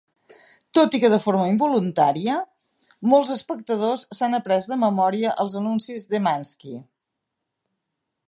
Tot i que de forma involuntària, molts espectadors s'han après de memòria els anuncis d'Emanski.